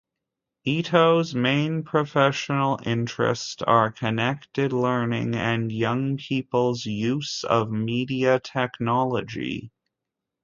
Ito's main professional interest are connected learning and young people's use of media technology.